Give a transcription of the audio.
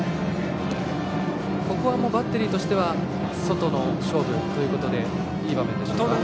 ここはバッテリーとしては外の勝負ということでいい場面でしょうか。